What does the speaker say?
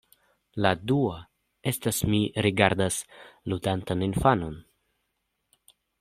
La dua estas: Mi rigardas ludantan infanon.